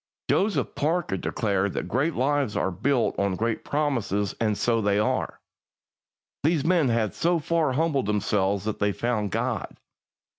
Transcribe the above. Joseph Parker declared that great lives are built on great promises, and so they are. These men had so far humbled themselves that they found God.